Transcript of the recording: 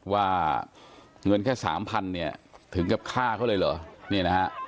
ว่าเงินแค่สามพันเนี่ยถึงกับฆ่าเขาเลยเหรอเนี่ยนะฮะ